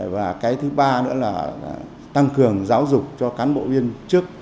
và cái thứ ba nữa là tăng cường giáo dục cho cán bộ viên chức